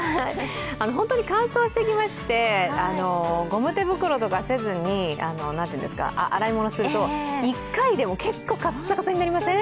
本当に乾燥してきまして、ゴム手袋とかせずに洗い物をすると、１回でも結構カッサカサになりません？